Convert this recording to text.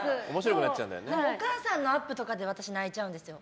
お母さんのアップとかで私、泣いちゃうんですよ。